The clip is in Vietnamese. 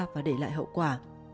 và để lại hậu quả